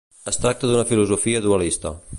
Es tracta d'una filosofia dualista.